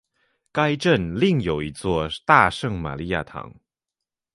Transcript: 该镇另有一座大圣马利亚堂。